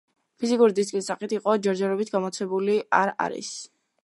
ფიზიკური დისკის სახით იგი ჯერჯერობით გამოცემული არ არის.